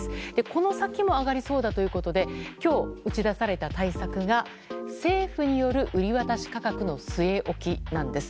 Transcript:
この先も上がりそうだということで今日、打ち出された対策が政府による売り渡し価格の据え置きなんです。